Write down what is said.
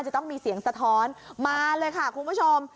จะต้องมีเสียงสะท้อนมาเลยค่ะคุณผู้ชม